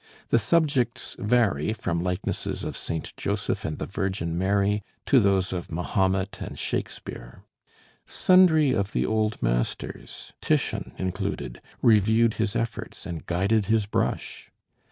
The subjects vary from likenesses of Saint Joseph and the Virgin Mary to those of Mahomet and Shakespeare. Sundry of the old masters, Titian included, reviewed his efforts and guided his brush!